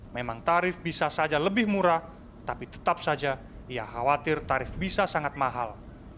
memang tarif bisa saja lebih murah tapi tetap saja ia khawatir tarif bisa sangat mahal